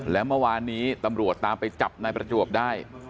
และเมื่อวานนี้ตำรวจตามไปจับนายประจวบได้